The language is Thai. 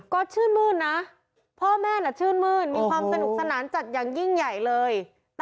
ก็ชื่นมื้นนะพ่อแม่น่ะชื่นมื้นมีความสนุกสนานจัดอย่างยิ่งใหญ่เลย